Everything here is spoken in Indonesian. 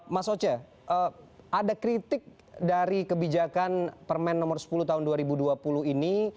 mas oce ada kritik dari kebijakan permen nomor sepuluh tahun dua ribu dua puluh ini